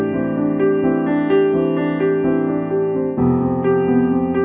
แล้วก็รักกันล่ะค่ะโทษทีนะฮะทีนี้